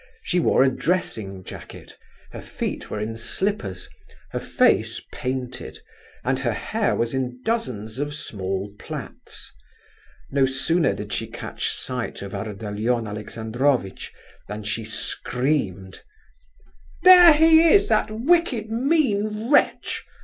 She wore a dressing jacket, her feet were in slippers, her face painted, and her hair was in dozens of small plaits. No sooner did she catch sight of Ardalion Alexandrovitch than she screamed: "There he is, that wicked, mean wretch!